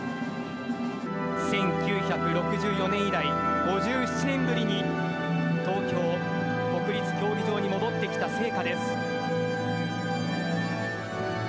１９６４年以来、５７年ぶりに、東京・国立競技場に戻ってきた聖火です。